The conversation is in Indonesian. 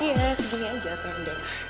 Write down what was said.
ya segini aja pak ando